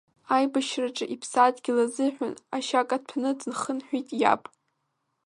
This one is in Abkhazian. Аибашьраҿы иԥсадгьыл азыҳәан ашьа каҭәаны дхынҳәит иаб.